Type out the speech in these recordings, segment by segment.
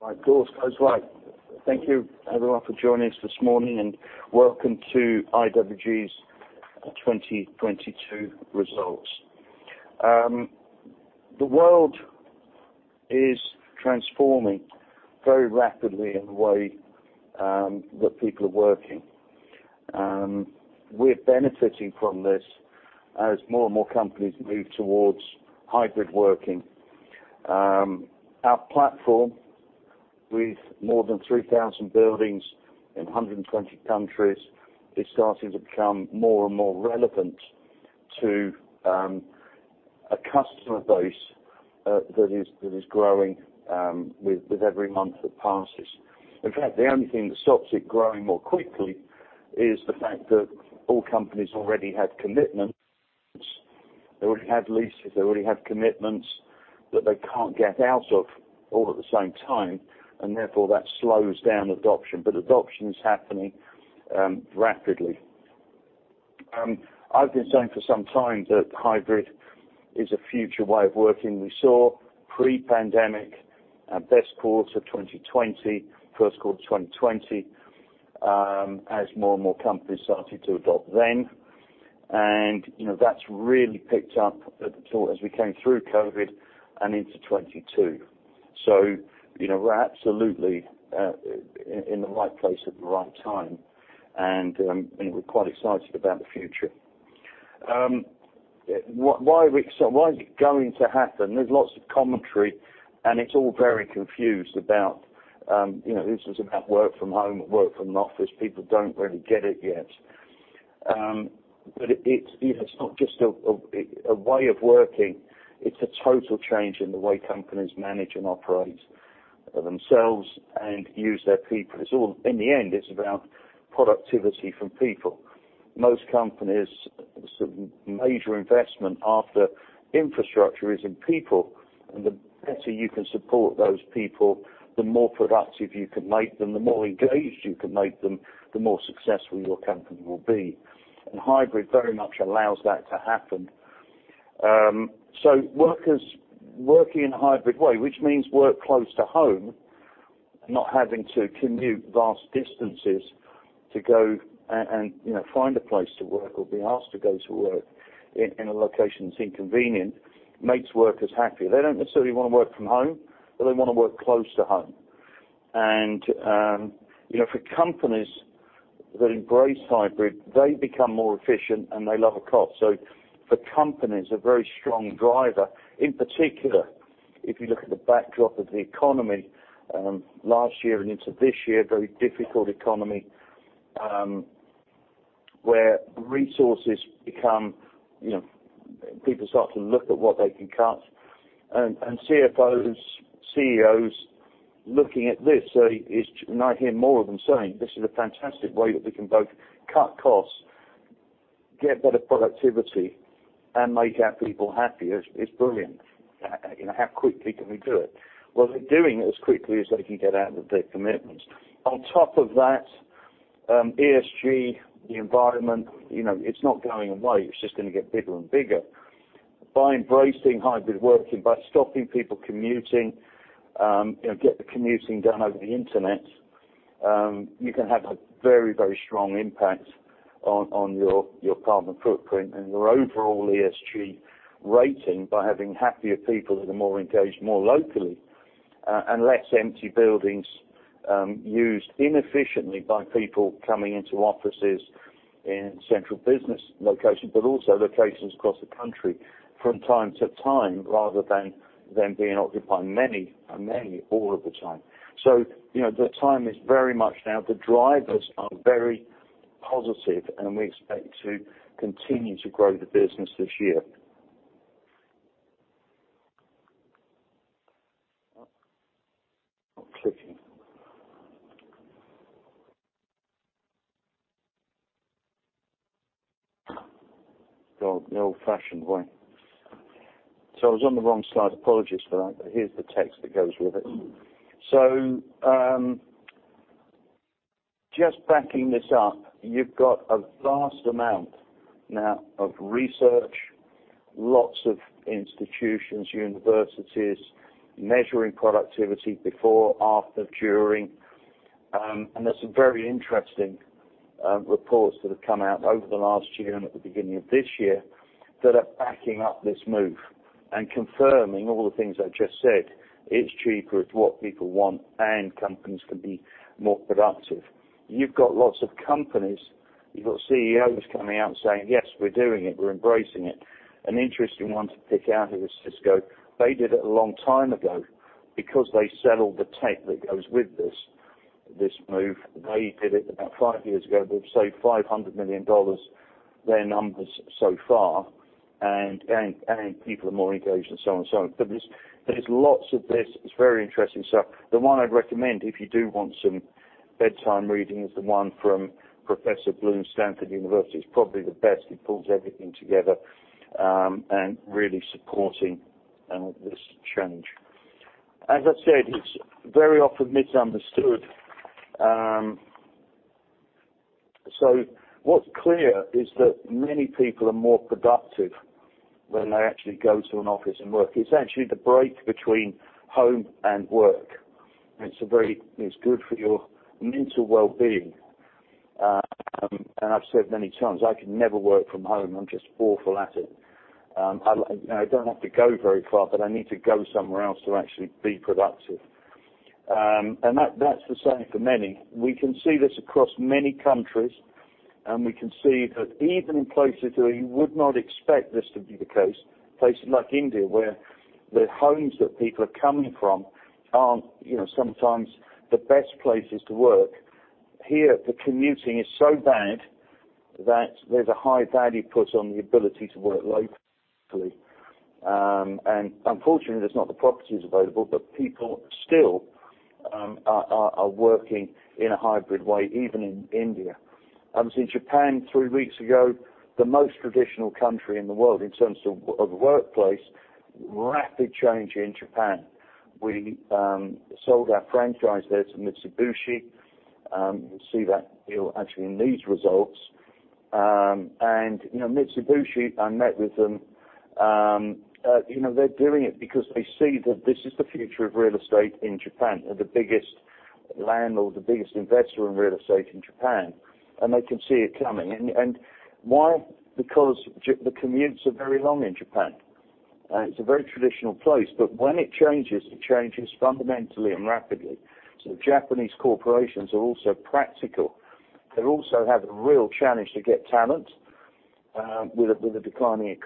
Thank you everyone for joining us this morning and welcome to IWG's 2022 results. The world is transforming very rapidly in the way that people are working. We're benefiting from this as more and more companies move towards hybrid working. Our platform with more than 3,000 buildings in 120 countries is starting to become more and more relevant to a customer base that is growing with every month that passes. The only thing that stops it growing more quickly is the fact that all companies already had commitments. They already had leases, they already had commitments that they can't get out of all at the same time, therefore that slows down adoption. Adoption is happening rapidly. I've been saying for some time that hybrid is a future way of working. We saw pre-pandemic our best quarter 2020, first quarter 2020, as more and more companies started to adopt then. You know, that's really picked up at the top as we came through COVID and into 2022. You know, we're absolutely in the right place at the right time. And we're quite excited about the future. Why is it going to happen? There's lots of commentary, and it's all very confused about, you know, is this about work from home, work from the office. People don't really get it yet. It's, you know, it's not just a way of working, it's a total change in the way companies manage and operate themselves and use their people. It's all. In the end, it's about productivity from people. Most companies, sort of major investment after infrastructure is in people. The better you can support those people, the more productive you can make them, the more engaged you can make them, the more successful your company will be. Hybrid very much allows that to happen. Workers working in a hybrid way, which means work close to home, not having to commute vast distances to go and, you know, find a place to work or be asked to go to work in a location that's inconvenient, makes workers happier. They don't necessarily want to work from home, but they want to work close to home. You know, for companies that embrace hybrid, they become more efficient, and they lower cost. For companies, a very strong driver. In particular, if you look at the backdrop of the economy, last year and into this year, very difficult economy, where resources become, you know, people start to look at what they can cut. CFOs, CEOs looking at this say it's. I hear more of them saying, "This is a fantastic way that we can both cut costs, get better productivity, and make our people happier. It's brilliant. you know, how quickly can we do it?" Well, they're doing it as quickly as they can get out of their commitments. On top of that, ESG, the environment, you know, it's not going away, it's just gonna get bigger and bigger. By embracing hybrid working, by stopping people commuting, you know, get the commuting done over the Internet, you can have a very, very strong impact on your carbon footprint and your overall ESG rating by having happier people that are more engaged more locally, and less empty buildings, used inefficiently by people coming into offices in central business locations, but also locations across the country from time to time rather than them being occupied many all of the time. You know, the time is very much now. The drivers are very positive, and we expect to continue to grow the business this year. Not clicking. Go the old-fashioned way. I was on the wrong slide. Apologies for that, but here's the text that goes with it. Just backing this up, you've got a vast amount now of research, lots of institutions, universities measuring productivity before, after, during. There's some very interesting reports that have come out over the last year and at the beginning of this year that are backing up this move and confirming all the things I just said. It's cheaper, it's what people want, and companies can be more productive. You've got lots of companies, you've got CEOs coming out and saying, "Yes, we're doing it. We're embracing it." An interesting one to pick out here is Cisco. They did it a long time ago because they sell all the tech that goes with this move. They did it about five-years ago. They've saved $500 million, their numbers so far, and people are more engaged and so on and so on. There's lots of this. It's very interesting stuff. The one I'd recommend, if you do want some bedtime reading, is the one from Professor Bloom, Stanford University. It's probably the best. It pulls everything together, and really supporting this change. As I said, it's very often misunderstood. What's clear is that many people are more productive when they actually go to an office and work. It's actually the break between home and work. It's good for your mental wellbeing. I've said many times, I can never work from home. I'm just awful at it. I don't have to go very far, but I need to go somewhere else to actually be productive. That's the same for many. We can see this across many countries, we can see that even in places where you would not expect this to be the case, places like India, where the homes that people are coming from aren't, you know, sometimes the best places to work. Here, the commuting is so bad that there's a high value put on the ability to work locally. Unfortunately, there's not the properties available, but people still are working in a hybrid way, even in India. I was in Japan three weeks ago, the most traditional country in the world in terms of workplace. Rapid change in Japan. We sold our franchise there to Mitsubishi. You'll see that deal actually in these results. You know, Mitsubishi, I met with them. You know, they're doing it because they see that this is the future of real estate in Japan. They're the biggest landlord, the biggest investor in real estate in Japan, and they can see it coming. Why? Because the commutes are very long in Japan. It's a very traditional place, but when it changes, it changes fundamentally and rapidly. Japanese corporations are also practical. They also have a real challenge to get talent with the declining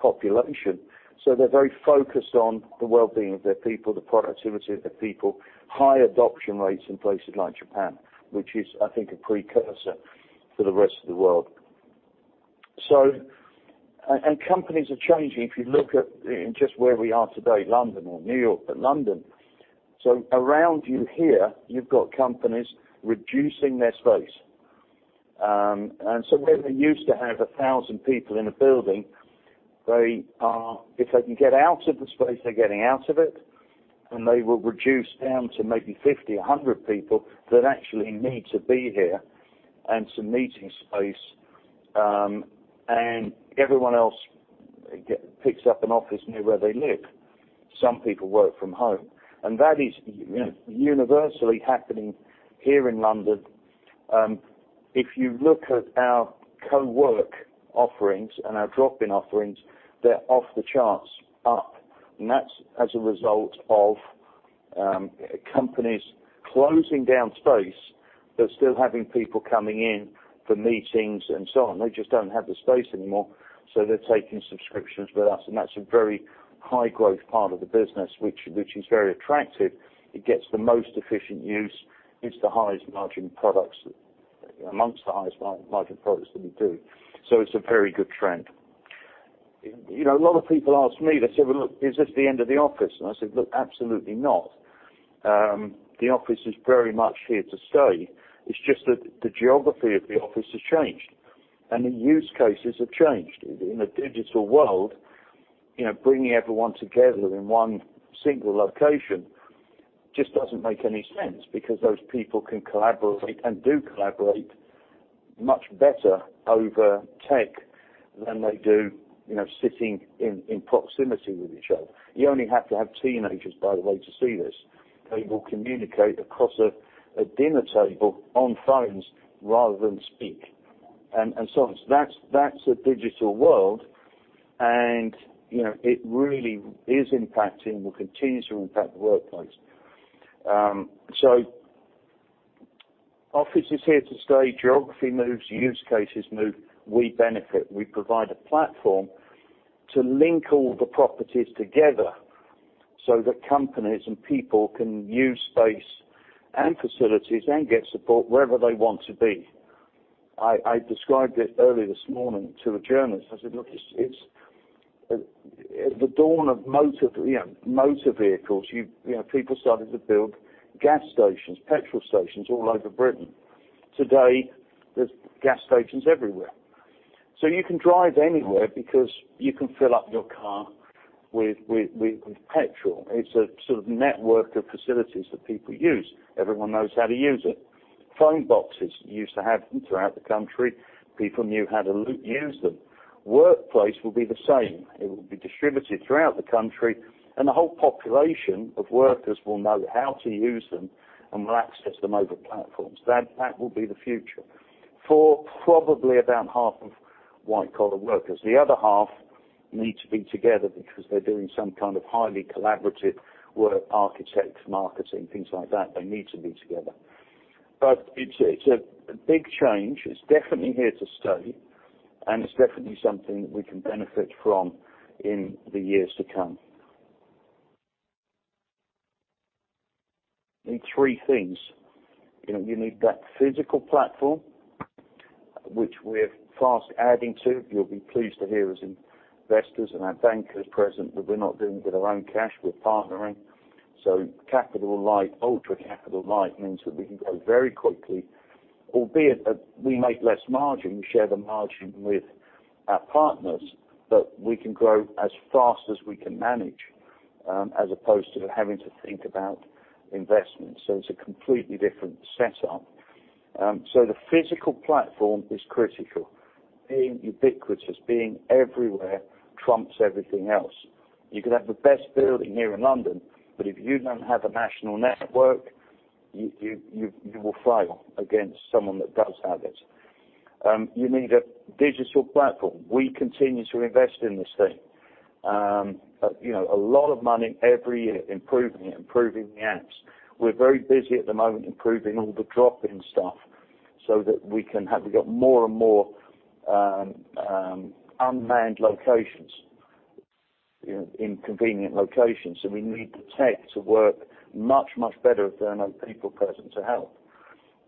population. They're very focused on the wellbeing of their people, the productivity of their people. High adoption rates in places like Japan, which is, I think, a precursor for the rest of the world. Companies are changing. If you look at, in just where we are today, London or New York, but London. Around you here, you've got companies reducing their space. Where they used to have 1,000 people in a building, if they can get out of the space, they're getting out of it, and they will reduce down to maybe 50, 100 people that actually need to be here, and some meeting space. Everyone else picks up an office near where they live. Some people work from home. That is, you know, universally happening here in London. If you look at our coworking offerings and our drop-in offerings, they're off the charts up, and that's as a result of, companies closing down space, but still having people coming in for meetings and so on. They just don't have the space anymore, so they're taking subscriptions with us, and that's a very high-growth part of the business, which is very attractive. It gets the most efficient use. It's the highest margin products amongst the highest margin products that we do. It's a very good trend. You know, a lot of people ask me, they say, "Well, look, is this the end of the office?" I say, "Look, absolutely not." The office is very much here to stay. It's just that the geography of the office has changed and the use cases have changed. In a digital world, you know, bringing everyone together in one single location just doesn't make any sense because those people can collaborate and do collaborate much better over tech than they do, you know, sitting in proximity with each other. You only have to have teenagers, by the way, to see this. They will communicate across a dinner table on phones rather than speak and so on. That's a digital world and, you know, it really is impacting, will continue to impact the workplace. Office is here to stay. Geography moves. Use cases move. We benefit. We provide a platform to link all the properties together so that companies and people can use space and facilities and get support wherever they want to be. I described it earlier this morning to a journalist. I said, "Look, it's. At the dawn of motor, you know, motor vehicles, you know, people started to build gas stations, petrol stations all over Britain. Today, there's gas stations everywhere. You can drive anywhere because you can fill up your car with petrol. It's a sort of network of facilities that people use. Everyone knows how to use it. Phone boxes, you used to have them throughout the country. People knew how to use them. Workplace will be the same. It will be distributed throughout the country, and the whole population of workers will know how to use them and will access them over platforms. That will be the future for probably about half of white-collar workers. The other half need to be together because they're doing some kind of highly collaborative work, architects, marketing, things like that. They need to be together. It's a big change. It's definitely here to stay, and it's definitely something that we can benefit from in the years to come. You need three things. You know, you need that physical platform, which we're fast adding to. You'll be pleased to hear as investors and our bankers present that we're not doing it with our own cash, we're partnering. Capital-light, ultra capital-light means that we can grow very quickly, albeit, we make less margin, we share the margin with our partners, but we can grow as fast as we can manage, as opposed to having to think about investment. It's a completely different setup. The physical platform is critical. Being ubiquitous, being everywhere trumps everything else. You could have the best building here in London, but if you don't have a national network, you will fail against someone that does have it. You need a digital platform. We continue to invest in this thing. You know, a lot of money every year, improving it, improving the apps. We're very busy at the moment improving all the drop-in stuff so that we got more and more unmanned locations in convenient locations. We need the tech to work much, much better if there are no people present to help,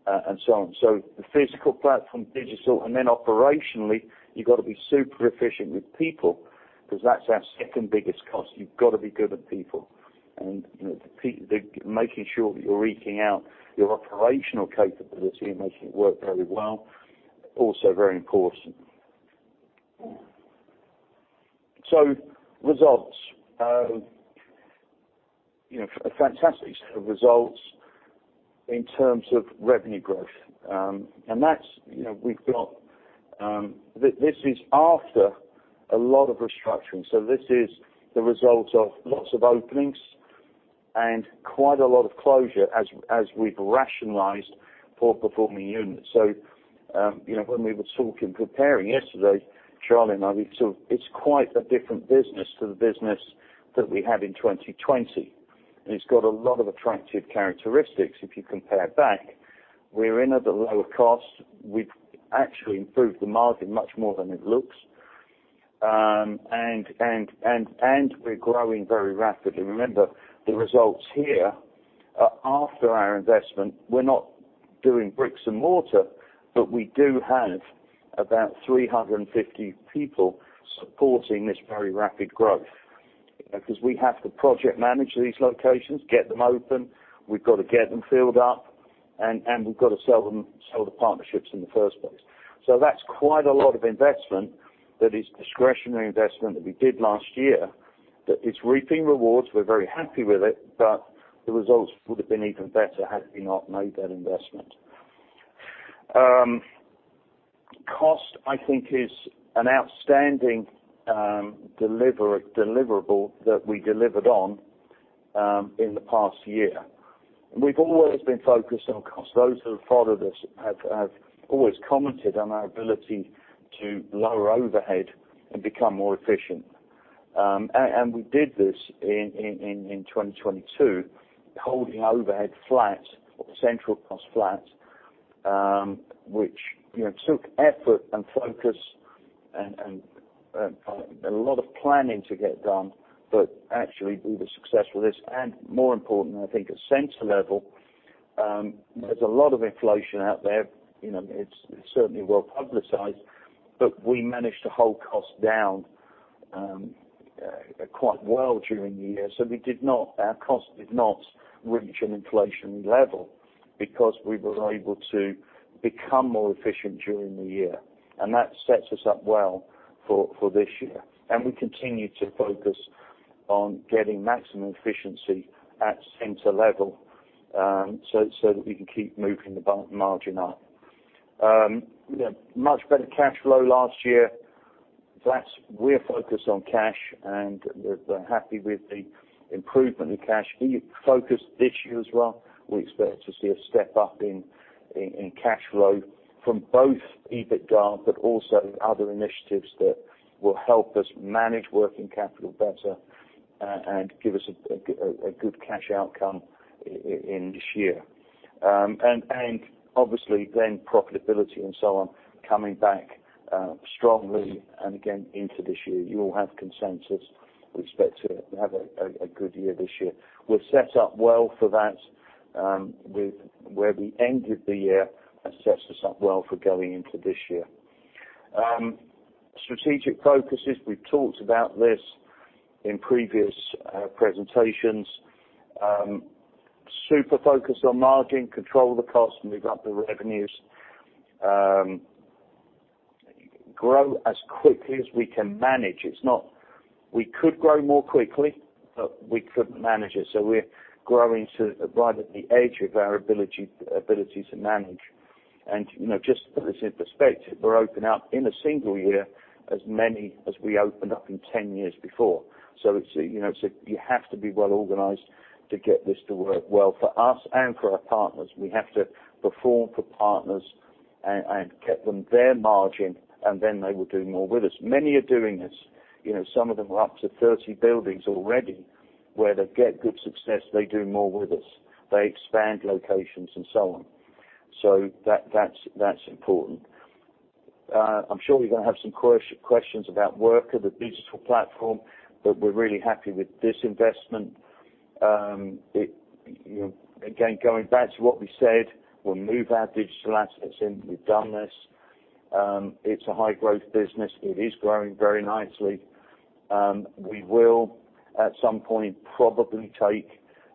and so on. The physical platform, digital, and then operationally, you've got to be super efficient with people because that's our second biggest cost. You've got to be good with people. You know, making sure that you're wreaking out your operational capability and making it work very well, also very important. Results. You know, a fantastic set of results in terms of revenue growth. That's, you know, we've got, this is after a lot of restructuring. This is the result of lots of openings and quite a lot of closure as we've rationalized poor performing units. You know, when we were talking, preparing yesterday, Charlie and I, it's quite a different business to the business that we had in 2020. It's got a lot of attractive characteristics if you compare back. We're in at the lower cost. We've actually improved the margin much more than it looks. And we're growing very rapidly. Remember, the results here are after our investment. We're not doing bricks and mortar, but we do have about 350 people supporting this very rapid growth. Because we have to project manage these locations, get them open. We've got to get them filled up, and we've got to sell them, sell the partnerships in the first place. That's quite a lot of investment that is discretionary investment that we did last year, that it's reaping rewards. We're very happy with it, but the results would have been even better had we not made that investment. Cost, I think, is an outstanding deliverable that we delivered on in the past year. We've always been focused on cost. Those who have followed us have always commented on our ability to lower overhead and become more efficient. And we did this in 2022, holding overhead flat or central cost flat, which, you know, took effort and focus and a lot of planning to get done, but actually we were successful with this. More important, I think at center level, there's a lot of inflation out there. You know, it's certainly well-publicized, but we managed to hold costs down quite well during the year. We did not, our cost did not reach an inflation level because we were able to become more efficient during the year. That sets us up well for this year. We continue to focus on getting maximum efficiency at center level, so that we can keep moving the margin up. You know, much better cash flow last year. We're focused on cash, and we're happy with the improvement in cash. We focused this year as well. We expect to see a step up in cash flow from both EBITDA, but also other initiatives that will help us manage working capital better, and give us a good cash outcome in this year. Obviously then profitability and so on coming back strongly and again into this year. You all have consensus. We expect to have a good year this year. We're set up well for that, with where we ended the year has set us up well for going into this year. Strategic focuses, we've talked about this in previous presentations. Super focused on margin, control the cost, move up the revenues. Grow as quickly as we can manage. It's not we could grow more quickly, but we couldn't manage it. We're growing to right at the edge of our ability to manage. You know, just to put this in perspective, we're opening up in a single year as many as we opened up in 10 years before. It's, you know, you have to be well organized to get this to work well for us and for our partners. We have to perform for partners and get them their margin, and then they will do more with us. Many are doing this. You know, some of them are up to 30 buildings already, where they get good success, they do more with us. They expand locations and so on. That's, that's important. I'm sure we're gonna have some questions about Worka, the digital platform, but we're really happy with this investment. It, you know, again, going back to what we said, we'll move our digital assets in. We've done this. It's a high-growth business. It is growing very nicely. We will, at some point, probably take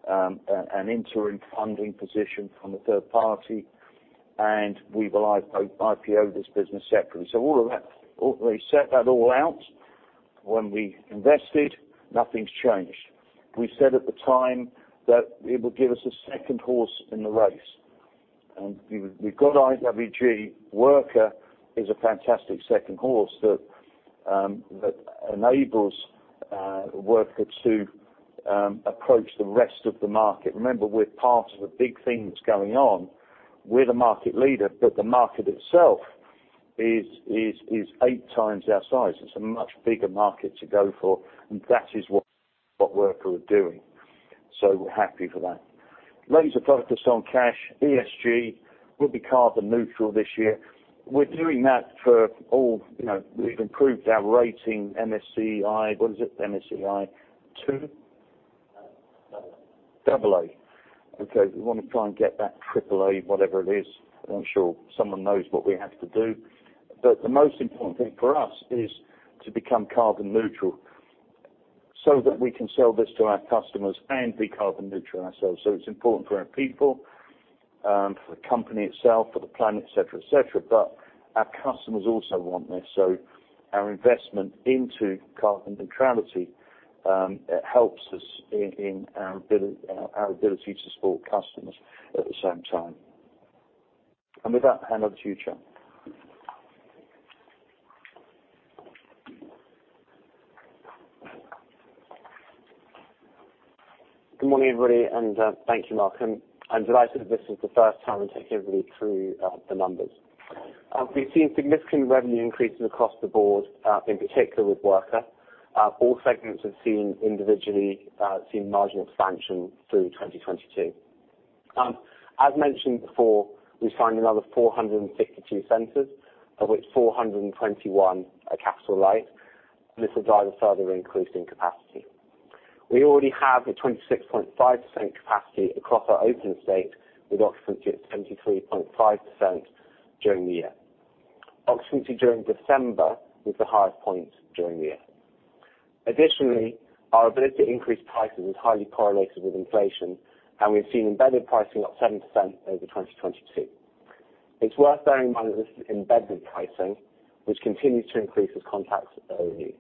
an interim funding position from a third party. We will IPO this business separately. All of that, we set that all out when we invested, nothing's changed. We said at the time that it would give us a second horse in the race, and we've got IWG. Worka is a fantastic second horse that enables workers to approach the rest of the market. Remember, we're part of a big thing that's going on. We're the market leader, but the market itself is eight times our size. It's a much bigger market to go for, and that is what Worka are doing. We're happy for that. Laser focus on cash. ESG will be carbon neutral this year. We're doing that for all. You know, we've improved our rating, MSCI. What is it? MSCI two? AA. AA. Okay. We want to try and get that AAA, whatever it is. I'm sure someone knows what we have to do. The most important thing for us is to become carbon neutral so that we can sell this to our customers and be carbon neutral ourselves. It's important for our people, for the company itself, for the planet, etc., etc., but our customers also want this. Our investment into carbon neutrality helps us in our ability to support customers at the same time. With that, I hand over to you, Charlie. Good morning, everybody, and thank you, Mark. I'm delighted that this is the first time we take everybody through the numbers. We've seen significant revenue increases across the board, in particular with Worka. All segments have seen individually seen margin expansion through 2022. As mentioned before, we signed another 462 centers, of which 421 are capital-light. This will drive a further increase in capacity. We already have a 26.5% capacity across our open estate with occupancy at 73.5% during the year. Occupancy during December was the highest point during the year. Additionally, our ability to increase prices is highly correlated with inflation, and we've seen embedded pricing up 7% over 2022. It's worth bearing in mind that this is embedded pricing, which continues to increase as contracts are renewed.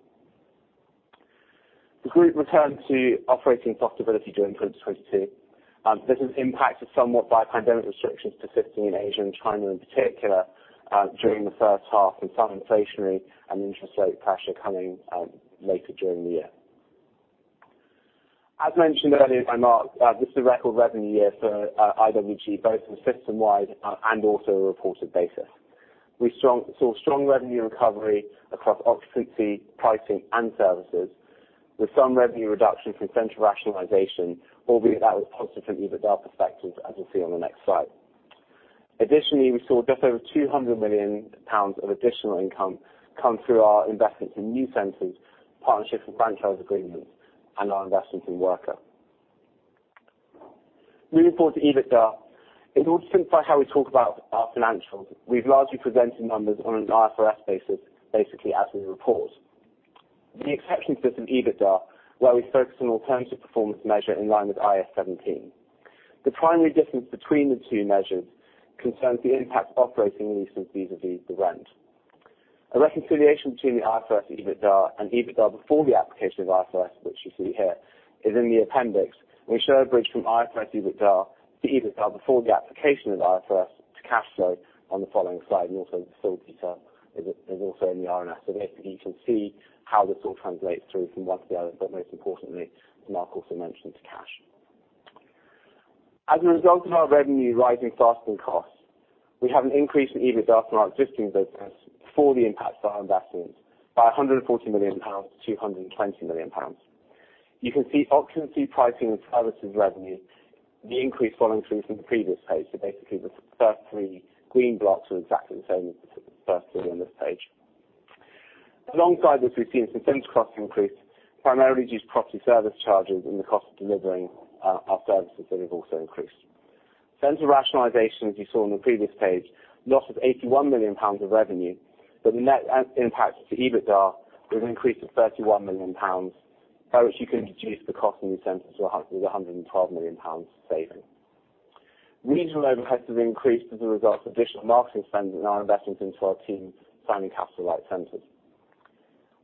The group returned to operating profitability during 2022. This is impacted somewhat by pandemic restrictions to 15 in Asia and China in particular, during the first half and some inflationary and interest rate pressure coming later during the year. As mentioned earlier by Mark, this is a record revenue year for IWG, both system-wide, and also a reported basis. We saw strong revenue recovery across occupancy, pricing, and services, with some revenue reduction from central rationalization, albeit that was positively with our perspectives, as you'll see on the next slide. Additionally, we saw just over 200 million pounds of additional income come through our investments in new centers, partnerships and franchise agreements, and our investments in Worka. Moving forward to EBITDA, in order to simplify how we talk about our financials, we've largely presented numbers on an IFRS basis, basically as we report. The exception to this in EBITDA, where we focus on alternative performance measure in line with IAS 17. The primary difference between the two measures concerns the impact of operating leases vis-a-vis the rent. A reconciliation between the IFRS EBITDA and EBITDA before the application of IFRS, which you see here, is in the appendix, and we show a bridge from IFRS EBITDA to EBITDA before the application of IFRS to cash flow on the following slide, and also the full detail is also in the RNS. Basically, you can see how this all translates through from one to the other, but most importantly, Mark also mentioned to cash. As a result of our revenue rising faster than costs, we have an increase in EBITDA from our existing business for the impact to our investments by 140 million-220 million pounds. You can see occupancy, pricing, and services revenue, the increase following through from the previous page. Basically, the first three green blocks are exactly the same as the first three on this page. Alongside this, we've seen some center cost increase, primarily due to property service charges and the cost of delivering our services that have also increased. Center rationalization, as you saw on the previous page, a loss of 81 million pounds of revenue, the net impact to EBITDA was an increase of 31 million pounds, by which you can reduce the cost in these centers with a GBP 112 million saving. Regional overheads have increased as a result of additional marketing spend and our investments into our team signing capital-light centers.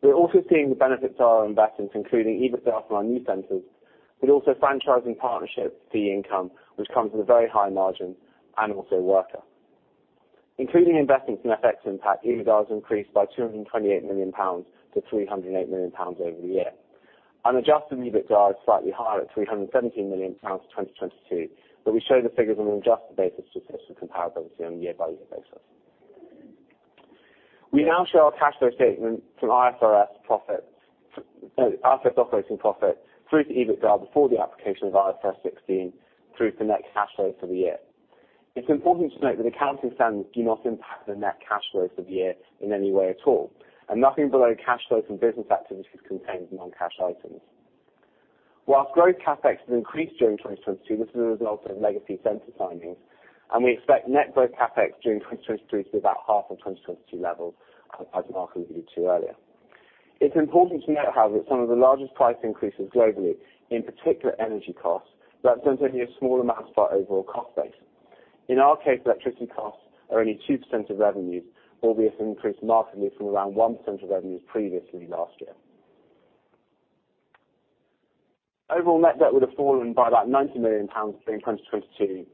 We're also seeing the benefits of our investments, including EBITDA from our new centers, also franchising partnerships fee income, which comes with a very high margin, also Worka. Including investments and FX impact, EBITDA was increased by 228 million-308 million pounds over the year. Unadjusted EBITDA is slightly higher at 317 million pounds in 2022. We show the figures on an adjusted basis just for some comparability on a year-by-year basis. We now show our cash flow statement from IFRS no, profit, operating profit through to EBITDA before the application of IFRS 16 through to net cash flow for the year. It's important to note that accounting standards do not impact the net cash flows for the year in any way at all, and nothing below cash flows from business activities contains non-cash items. Whilst gross CapEx has increased during 2022, this is a result of legacy center signings. We expect net growth CapEx during 2023 to be about half of 2022 levels, as Mark alluded to earlier. It's important to note how that some of the largest price increases globally, in particular energy costs, that's only a small amount to our overall cost base. In our case, electricity costs are only 2% of revenues, albeit an increase markedly from around 1% of revenues previously last year. Overall net debt would have fallen by about 90 million pounds during 2022,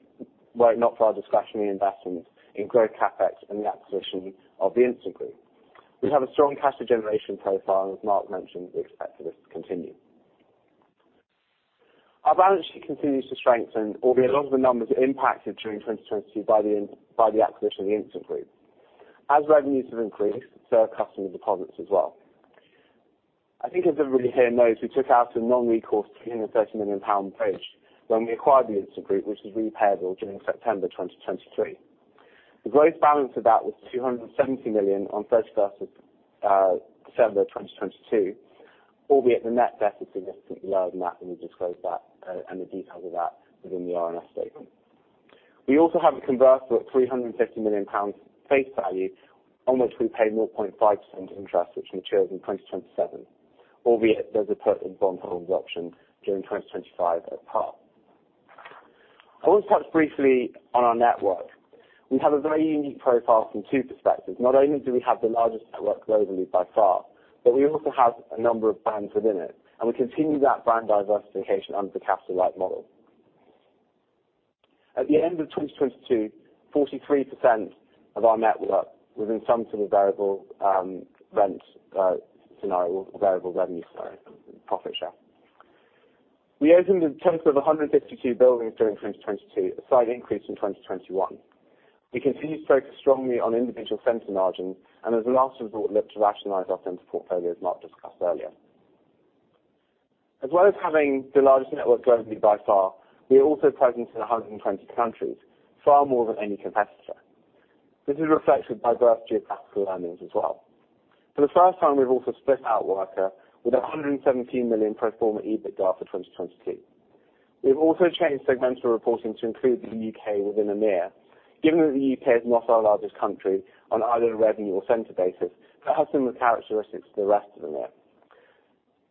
were it not for our discretionary investments in growth CapEx and the acquisition of The Instant Group. We have a strong cash generation profile, as Mark mentioned, we expect this to continue. Our balance sheet continues to strengthen, albeit a lot of the numbers are impacted during 2022 by the acquisition of The Instant Group. As revenues have increased, so have customer deposits as well. I think as everybody here knows, we took out a non-recourse 330 million bridge when we acquired The Instant Group, which was repaid all during September 2023. The gross balance of that was 270 million on 31st of December of 2022, albeit the net debt is significantly lower than that, and we disclose that and the details of that within the RNS statement. We also have a converter of 350 million pounds face value, on which we pay 0.5% interest, which matures in 2027, albeit there's a put and bondholder option during 2025 at par. I want to touch briefly on our network. We have a very unique profile from two perspectives. Not only do we have the largest network globally by far, but we also have a number of brands within it, and we continue that brand diversification under the capital-light model. At the end of 2022, 43% of our network was in some sort of variable rent scenario or variable revenue, sorry, profit share. We opened in total of 152 buildings during 2022, a slight increase in 2021. We continued to focus strongly on individual center margins and as a last resort look to rationalize our center portfolio, as Mark discussed earlier. As well as having the largest network globally by far, we are also present in 120 countries, far more than any competitor. This is reflected by diverse geographical earnings as well. For the first time, we've also split out Worka with 117 million pro forma EBITDA for 2022. We've also changed segmental reporting to include the U.K. within EMEA, given that the U.K. is not our largest country on either a revenue or center basis, but has similar characteristics to the rest of EMEA.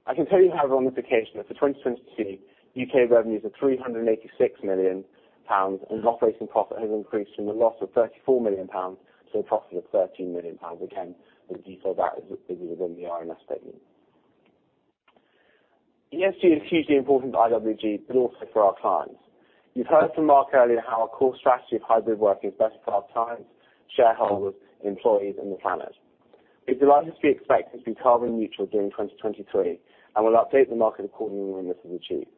I can tell you how the ramifications that for 2022 U.K. revenues of GBP 386 million and operating profit has increased from a loss of GBP 34 million to a profit of GBP 13 million. Again, the detail of that is within the RNS statement. ESG is hugely important to IWG, but also for our clients. You've heard from Mark earlier how our core strategy of hybrid working is best for our clients, shareholders, employees and the planet. We're delighted to be expected to be carbon neutral during 2023, and we'll update the market accordingly when this is achieved.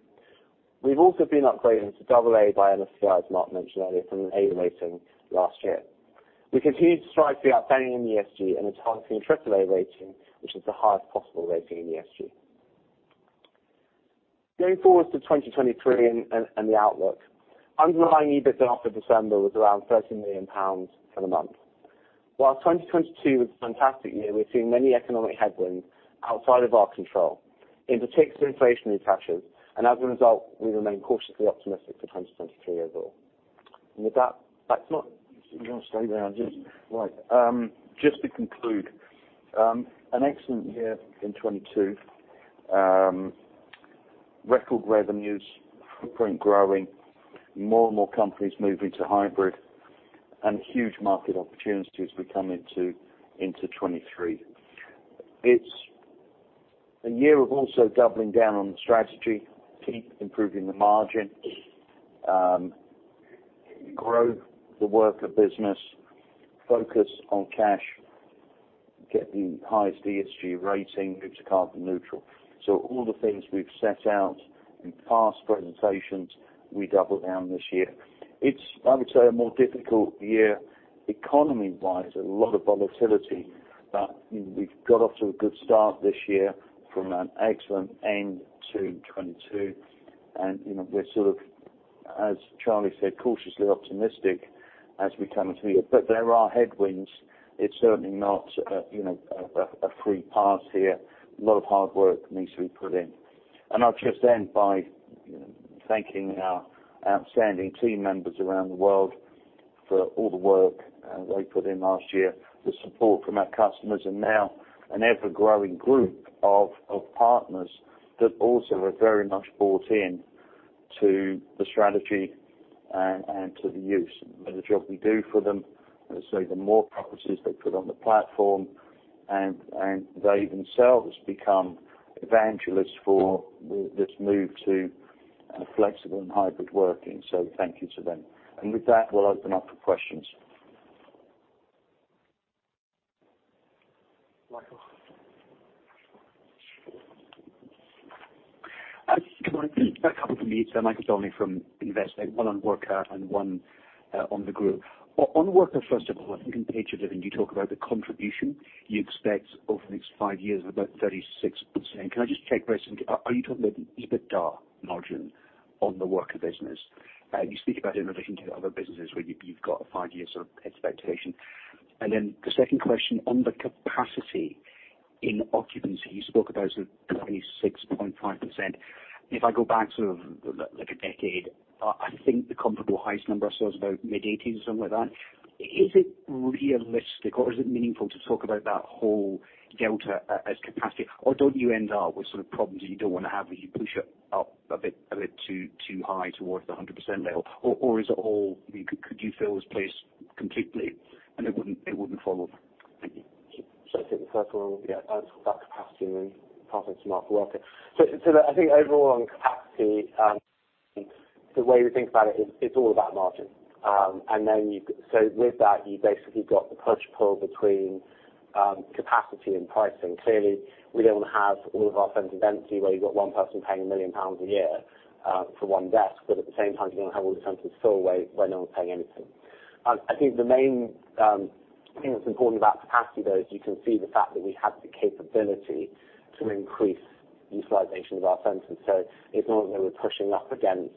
We've also been upgraded to AA by MSCI, as Mark mentioned earlier, from an A rating last year. We continue to strive to be outstanding in ESG and are targeting AAA rating, which is the highest possible rating in ESG. Going forward to 2023 and the outlook. Underlying EBITDA for December was around 30 million pounds for the month. While 2022 was a fantastic year, we're seeing many economic headwinds outside of our control, in particular inflationary pressures. As a result, we remain cautiously optimistic for 2023 overall. With that, back to Mark. You want to stay there Charlie? Right. Just to conclude, an excellent year in 2022. Record revenues, footprint growing, more and more companies moving to hybrid and huge market opportunities as we come into 2023. It's a year of also doubling down on the strategy, keep improving the margin, grow the Worka business, focus on cash, get the highest ESG rating, move to carbon neutral. All the things we've set out in past presentations, we double down this year. It's, I would say, a more difficult year economy-wise, a lot of volatility, but we've got off to a good start this year from an excellent end to 2022. You know, we're sort of, as Charlie said, cautiously optimistic as we come into the year. There are headwinds. It's certainly not a, you know, a free pass here. A lot of hard work needs to be put in. I'll just end by, you know, thanking our outstanding team members around the world for all the work they put in last year, the support from our customers, and now an ever-growing group of partners that also have very much bought in to the strategy and to the use and the job we do for them. As I say, the more properties they put on the platform and they themselves become evangelists for this move to flexible and hybrid working. Thank you to them. With that, we'll open up for questions. Michael? Good morning. A couple from me, sir. Michael Tolley from Investec. One on Worka and one on the group. On Worka, first of all, I think on page 11 you talk about the contribution you expect over the next five-years of about 36%. Can I just check, are you talking about EBITDA margin on the Worka business? You speak about it in relation to the other businesses where you've got a five-years sort of expectation. Then the second question on the capacity in occupancy, you spoke about sort of 26.5%. If I go back sort of like a decade, I think the comparable highest number I saw was about mid-80s% or something like that. Is it realistic or is it meaningful to talk about that whole delta as capacity? Don't you end up with sort of problems that you don't wanna have, where you push it up a bit too high towards the 100% level? Is it all? Could you fill this place completely and it wouldn't fall over? Thank you. I think the first one, yeah, that's about capacity and then passing to Mark Dixon. I think overall on capacity, the way we think about it is it's all about margin. With that you've basically got the push-pull between capacity and pricing. Clearly, we don't want to have all of our centers empty where you've got one person paying 1 million pounds a year for one desk, but at the same time, you don't have all the centers full where no one's paying anything. I think the main thing that's important about capacity though, is you can see the fact that we have the capability to increase utilization of our centers. It's not that we're pushing up against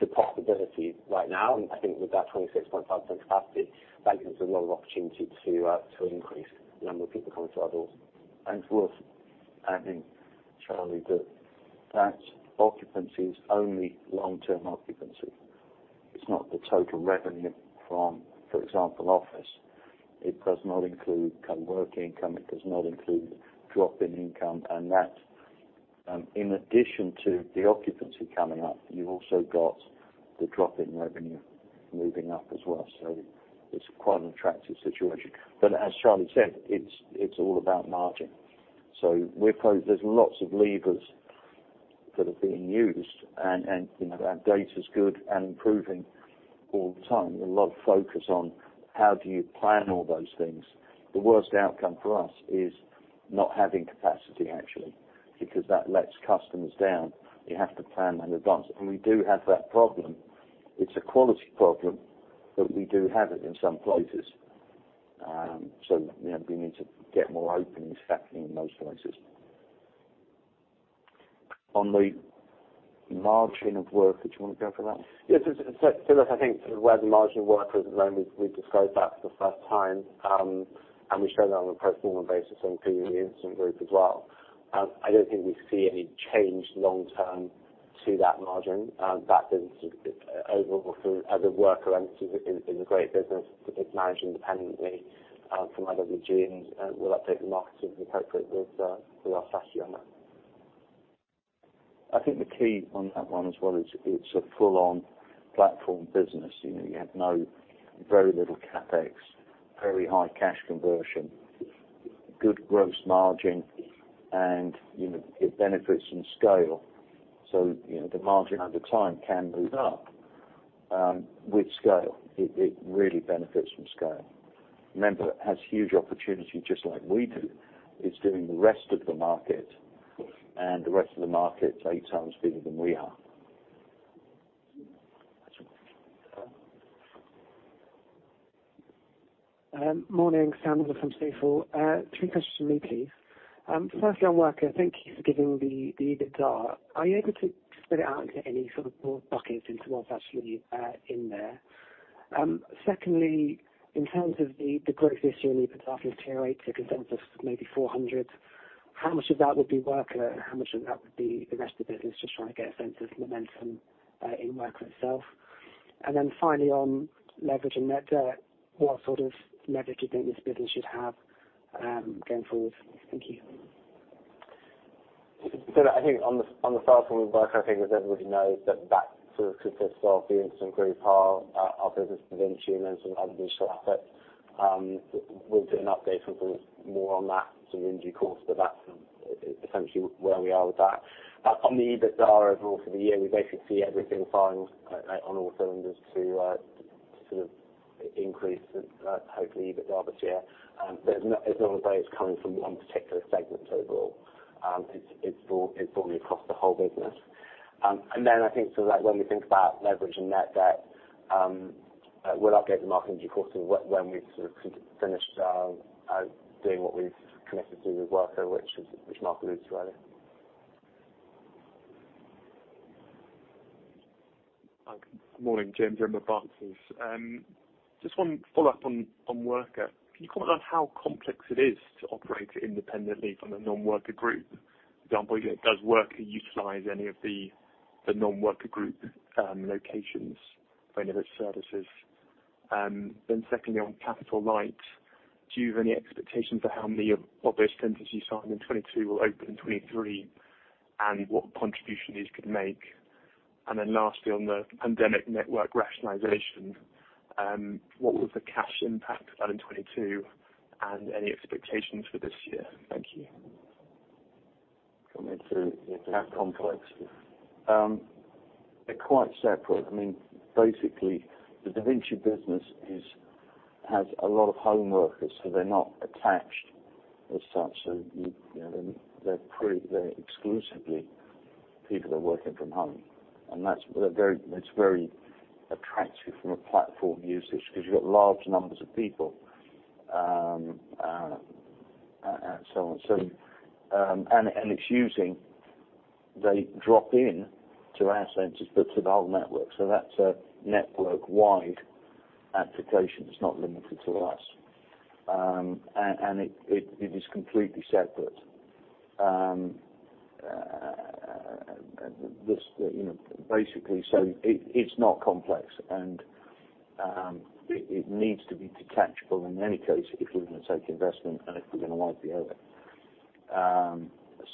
the possibility right now. I think with that 26.5% capacity, that gives a lot of opportunity to increase the number of people coming to our doors. It's worth adding, Charlie, that that occupancy is only long-term occupancy. It's not the total revenue from, for example, office. It does not include coworking income, it does not include drop-in income. That, in addition to the occupancy coming up, you've also got the drop-in revenue moving up as well. It's quite an attractive situation. As Charlie said, it's all about margin. There's lots of levers that are being used and, you know, our data's good and improving all the time. There's a lot of focus on how do you plan all those things. The worst outcome for us is not having capacity actually, because that lets customers down. You have to plan in advance. We do have that problem. It's a quality problem, but we do have it in some places. You know, we need to get more openings happening in those places. On the margin of Worka, do you wanna go for that? Yes. Look, I think where the margin Worka is at the moment, we described that for the first time, and we showed that on a pro forma basis including The Instant Group as well. I don't think we see any change long term to that margin. That business overall as a Worka entity is a great business. It's managed independently, from IWG, and we'll update the market in due course with our stats on that. I think the key on that one as well is it's a full-on platform business. You know, you have very little CapEx, very high cash conversion, good gross margin, you know, it benefits from scale. You know, the margin on the client can move up with scale. It really benefits from scale. Remember, it has huge opportunity just like we do. It's doing the rest of the market, the rest of the market's eight times bigger than we are. That's all. Morning. Sam from Stifel. two questions from me, please. Firstly on Worka, thank you for giving the EBITDA. Are you able to split it out into any sort of broad buckets into what's actually in there? Secondly, in terms of the growth this year and the potential to iterate the consensus, maybe 400, how much of that would be Worka and how much of that would be the rest of the business? Just trying to get a sense of momentum in Worka itself. Finally on leverage and net debt, what sort of leverage do you think this business should have going forward? Thank you. I think on the first one with Worka, as everybody knows, that sort of consists of The Instant Group, our business with Davinci and then some other digital assets. We'll do an update sort of more on that through the course, but that's essentially where we are with that. On the EBITDA overall for the year, we basically see everything firing on all cylinders to sort of increase the hopefully EBITDA this year. It's not as though it's coming from one particular segment overall. It's brought me across the whole business. When we think about leverage and net debt, we'll update the market in due course when we've finished doing what we've committed to do with Worka, which Mark alluded to earlier. Hi. Good morning, James from Barclays. Just one follow-up on Worka. Can you comment on how complex it is to operate it independently from the non-Worka group? For example, does Worka utilize any of the non-Worka group locations for any of its services? Secondly, on capital-light, do you have any expectation for how many of those centers you signed in 22 will open in 23, and what contribution these could make? Lastly, on the pandemic network rationalization, what was the cash impact of that in 22, and any expectations for this year? Thank you. Coming to how complex. They're quite separate. I mean, basically, the Davinci business has a lot of home workers, so they're not attached as such. You know, they're exclusively people that are working from home. That's, it's very attractive from a platform usage because you've got large numbers of people and so on. And they drop in to our centers, but to the whole network. That's a network-wide application. It's not limited to us. And it is completely separate. This, you know, basically, it's not complex, and it needs to be detachable in any case if we're gonna take investment and if we're gonna wipe the other.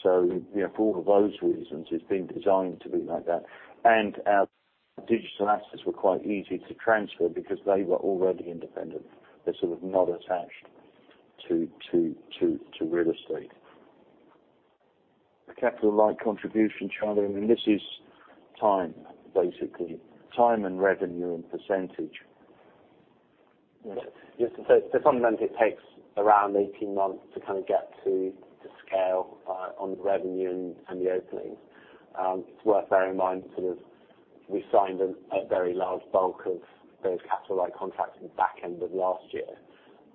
You know, for all of those reasons, it's been designed to be like that. Our digital assets were quite easy to transfer because they were already independent. They're sort of not attached to real estate. The capital-light contribution chart, I mean, this is time, basically. Time and revenue and %. Yes. Fundamentally, it takes around 18 months to kind of get to scale on the revenue and the openings. It's worth bearing in mind sort of we signed a very large bulk of those capital-light contracts in the back end of last year.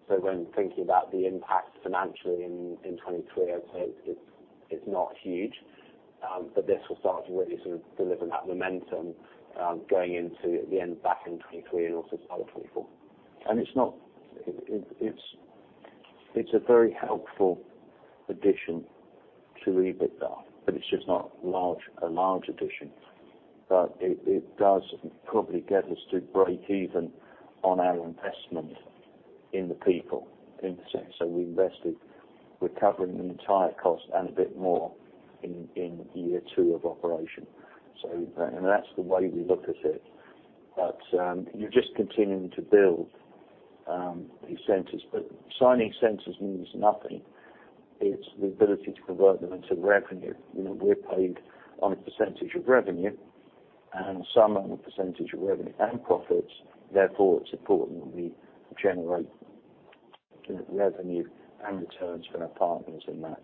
When thinking about the impact financially in 2023, I'd say it's not huge. This will start to really sort of deliver that momentum going into the end back in 2023 and also into 2024. It's a very helpful addition to EBITDA, but it's just not large, a large addition. It does probably get us to break even on our investment in the people, in the sense that we're covering the entire cost and a bit more in year two of operation. And that's the way we look at it. You're just continuing to build these centers. Signing centers means nothing. It's the ability to convert them into revenue. You know, we're paid on a percentage of revenue, and some on a percentage of revenue and profits. Therefore, it's important that we generate the revenue and returns for our partners in that.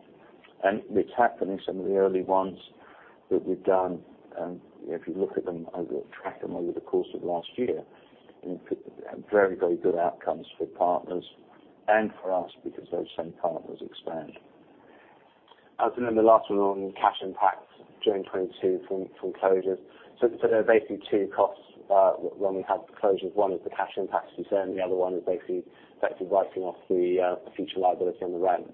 It's happening. Some of the early ones that we've done, if you look at them track them over the course of last year, you know, very, very good outcomes for partners and for us because those same partners expand. As in the last one on cash impacts during 2022 from closures. There are basically two costs when we have the closures. One is the cash impact concern, the other one is basically effectively writing off the future liability on the rent.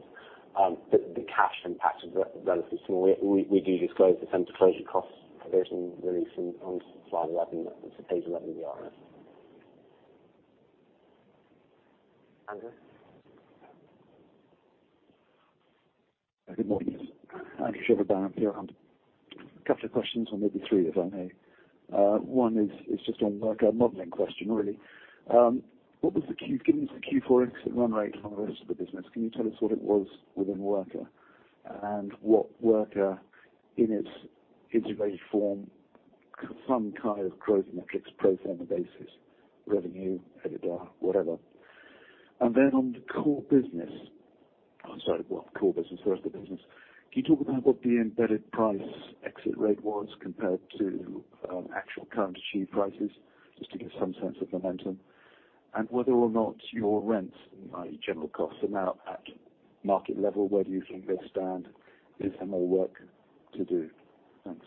The cash impact is relatively small. We do disclose the center closure costs provision release on slide 11. It's on page 11 of the IRF. Andrew? Good morning. Andrew Cheverton, Barclays here. A couple of questions, or maybe three if I may. One is just on Worka modeling question, really. What was Given the Q4 exit run rate on the rest of the business, can you tell us what it was within Worka? What Worka in its integrated form, some kind of growth metrics, pro forma basis, revenue, EBITDA, whatever? Then on the core business, the rest of the business. Can you talk about what the embedded price exit rate was compared to, actual current achieved prices, just to give some sense of momentum? Whether or not your rents, i.e., general costs, are now at market level, where do you think they stand? Is there more work to do? Thanks.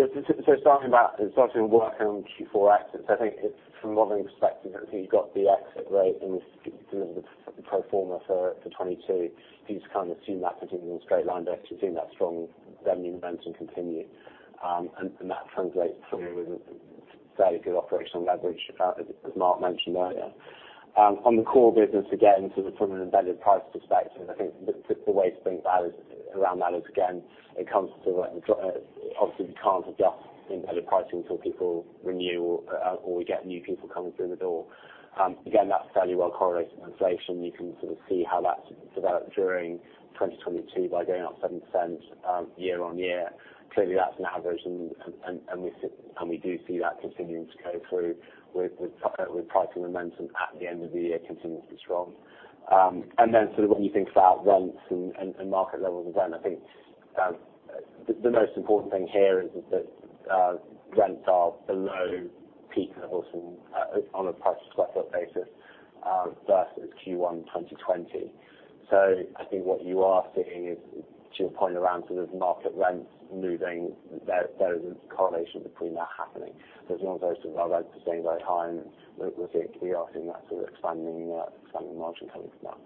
Starting with Worka and Q4 exits, I think it's from a modeling perspective, I think you've got the exit rate and the pro forma for 2022. You just kind of assume that continuing on a straight line basis, assume that strong revenue momentum continue. And that translates to a fairly good operational leverage, as Mark mentioned earlier. On the core business, again, sort of from an embedded price perspective, I think the way to think around that is, again, it comes to obviously, we can't adjust embedded pricing until people renew or we get new people coming through the door. Again, that's fairly well correlated to inflation. You can sort of see how that's developed during 2022 by going up 7% year-on-year. Clearly, that's an average and we do see that continuing to go through with pricing momentum at the end of the year continuing to be strong. Then sort of when you think about rents and market levels of rent, I think, the most important thing here is that, rents are below peak levels from, on a price square foot basis, versus Q1 2020. I think what you are seeing is to your point around sort of market rents moving, there is a correlation between that happening. As long as those rents are staying very high and we're seeing that sort of expanding margin coming from that.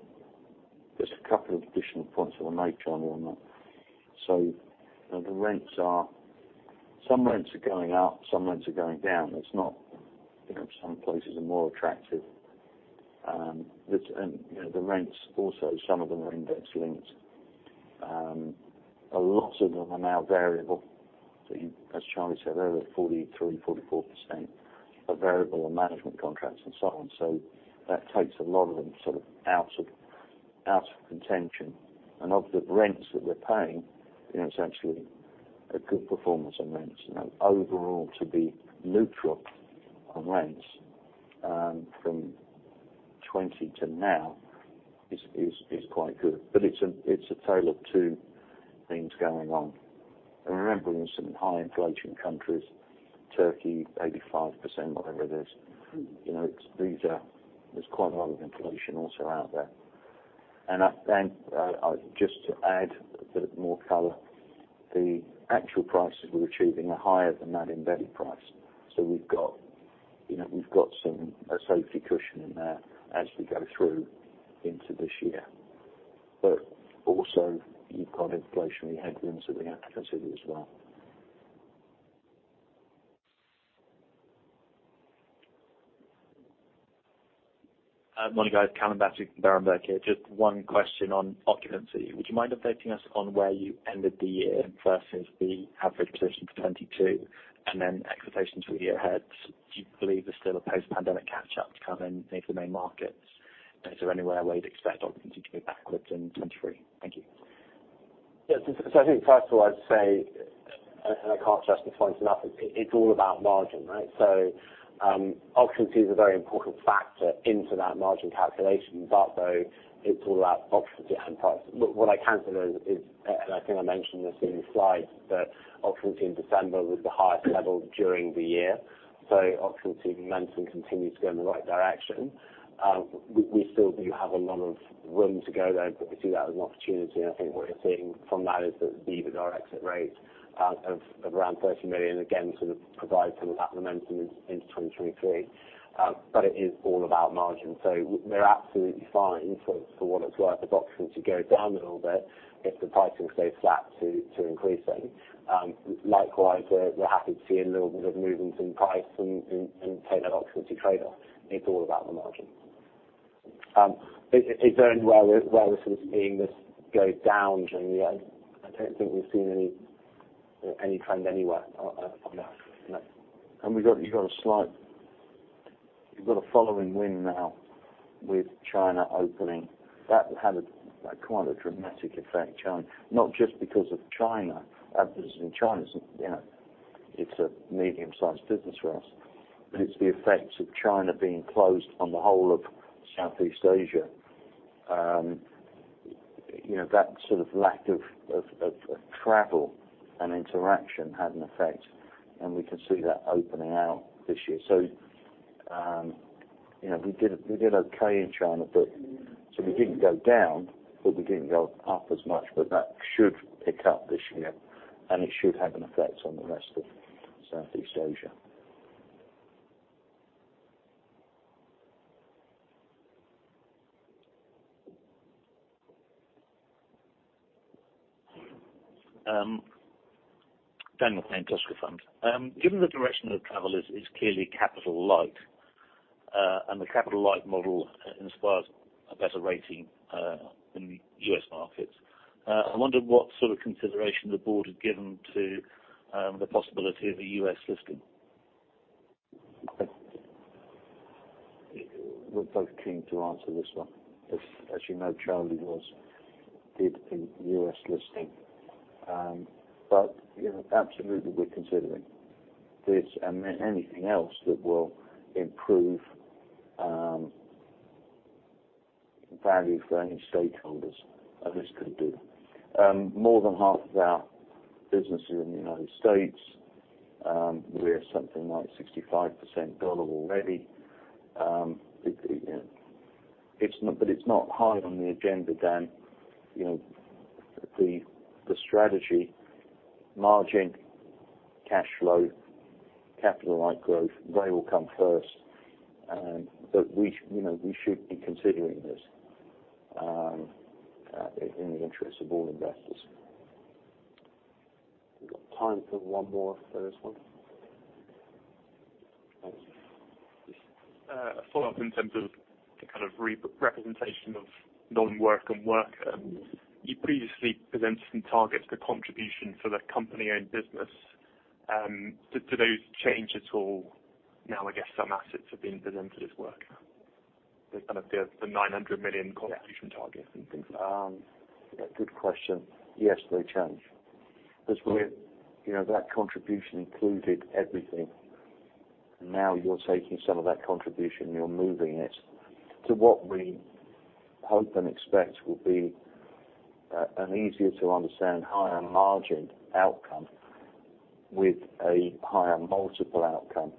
Just a couple of additional points that were made, Charlie, on that. You know, some rents are going up, some rents are going down. It's not, you know, some places are more attractive. This, you know, the rents also, some of them are index linked. A lot of them are now variable. As Charlie said earlier, 43%, 44% are variable and management contracts and so on. That takes a lot of them sort of out of contention. Of the rents that we're paying, you know, it's actually a good performance on rents. You know, overall to be neutral on rents, from 20 to now is quite good. It's a tale of two things going on. Remember, in some high inflation countries, Turkey, 85%, whatever it is, you know, there's quite a lot of inflation also out there. I'll just add a bit more color. The actual prices we're achieving are higher than that embedded price. We've got, you know, we've got some, a safety cushion in there as we go through into this year. Also you've got inflationary headwinds that we have to consider as well. Morning, guys. Callum Baty with Berenberg here. Just one question on occupancy. Would you mind updating us on where you ended the year versus the average position for 2022? Expectations for year ahead, do you believe there's still a post-pandemic catch-up to come in each of the main markets? Is there anywhere where you'd expect occupancy to move backwards in 2023? Thank you. Yes. I think first of all I'd say, and I can't stress this point enough, it's all about margin, right? Occupancy is a very important factor into that margin calculation. No, it's all about occupancy and price. Look, what I can say is, and I think I mentioned this in the slides, that occupancy in December was the highest level during the year. Occupancy momentum continues to go in the right direction. We still do have a lot of room to go there, but we see that as an opportunity. I think what we're seeing from that is that EBITDA exit rates of around 30 million, again, sort of provides some of that momentum into 2023. It is all about margin. We're absolutely fine for what it's worth, if occupancy goes down a little bit if the pricing stays flat to increasing. Likewise, we're happy to see a little bit of movement in price and take that occupancy trade off. It's all about the margin. Is there anywhere we're sort of seeing this go down during the year? I don't think we've seen any trend anywhere on that, no. You've got a following wind now with China opening. That had a quite a dramatic effect, China. Not just because of China. Our business in China is, you know, it's a medium-sized business for us. It's the effects of China being closed on the whole of Southeast Asia. You know, that sort of lack of travel and interaction had an effect. We can see that opening out this year. You know, we did okay in China, but so we didn't go down, but we didn't go up as much. That should pick up this year, and it should have an effect on the rest of Southeast Asia. Dan McLean, Tusker Fund. Given the direction of travel is clearly capital-light, and the capital-light model inspires a better rating in the U.S. markets, I wonder what sort of consideration the board has given to the possibility of a U.S. listing? We're both keen to answer this one. As you know, Charlie did a U.S. listing. You know, absolutely we're considering this and anything else that will improve value for any stakeholders this could do. More than half of our business is in the United States. We are something like 65% dollar already. You know, it's not high on the agenda, Dan. You know, the strategy: margin, cash flow, capital-light growth, they all come first. We, you know, we should be considering this in the interests of all investors. We've got time for one more for this one. A follow-up in terms of the kind of representation of non-work and work. You previously presented some targets for contribution for the company-owned business. Do those change at all now, I guess, some assets are being presented as work, the kind of the 900 million contribution targets and things like that? Good question. Yes, they change. We're, you know, that contribution included everything. Now you're taking some of that contribution and you're moving it to what we hope and expect will be an easier to understand higher margin outcome with a higher multiple outcome.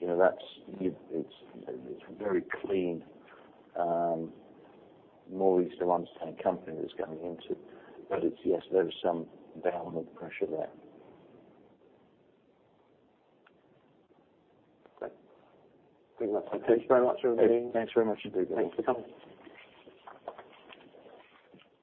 You know, it's a very clean, easier to understand company that's going into it. It's, yes, there is some downward pressure there. Great. Very much. Okay. Thanks very much, everybody. Thanks very much indeed. Thanks for coming.